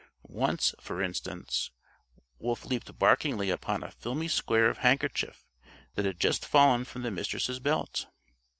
Once, for instance, Wolf leaped barkingly upon a filmy square of handkerchief that had just fallen from the Mistress' belt.